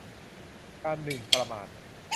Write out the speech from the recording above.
การหมิ่นประมาท